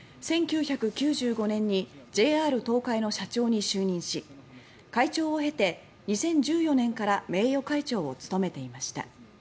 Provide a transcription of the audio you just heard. １９９５年にＪＲ東海の社長に就任し会長を経て、２０１４年から名誉会長を務めていました。